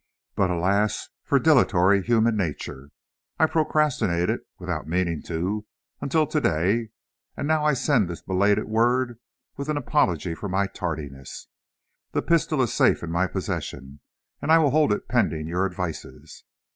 But alas, for dilatory human nature! I procrastinated (without meaning to) until today, and now I send this belated word, with an apology for my tardiness. The pistol is safe in my possession, and I will hold it pending your advices.